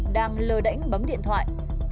đang lờ đẩy bấm điện thoại